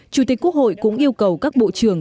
chủ tịch quốc hội cũng yêu cầu các bộ trưởng